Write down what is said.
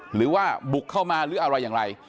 หรือว่าบุกเข้ามาหรืออะไรอย่างไร